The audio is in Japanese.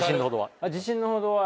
自信のほどは？